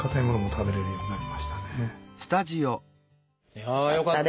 いやあよかった。